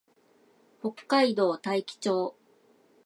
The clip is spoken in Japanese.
北海道大樹町